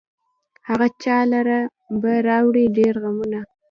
هغه چا لره به راوړي ډېر غمونه